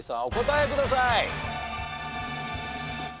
お答えください。